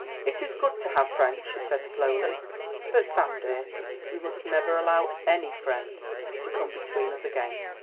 "It is good to have friends," she said slowly; "but, Sam dear, we must never allow any friend to come between us again.